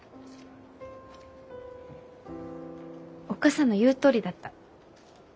おっ母さんの言うとおりだった。